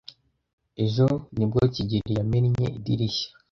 Ejo nibwo kigeli yamennye idirishya.